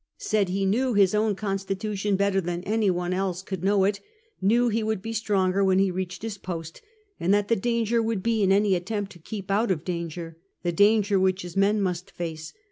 Said he knew his own con stitution better than any one else could know it; knew he would be stronger when he reached his post, and that the danger would be in any attempt to keep out of danger — the danger which his men must face.